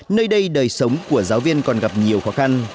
nơi đây đời sống của giáo viên còn gặp nhiều khó khăn